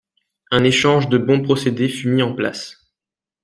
Un échange de bons procédés fut mis en place.